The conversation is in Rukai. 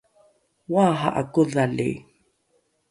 oaha’a kodhali